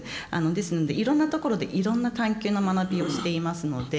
ですのでいろんなところでいろんな探究の学びをしていますのでで